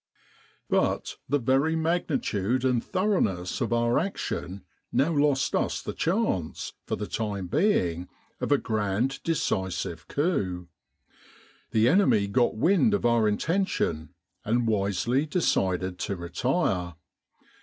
But the very magnitude and thoroughness of our action now lost us the chance, for the time being, of a grand decisive coup. The enemy got wind of our intention and wisely decided to retire.